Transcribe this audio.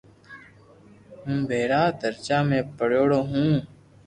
ھون ٻارآ درجہ پڙھيڙو ھون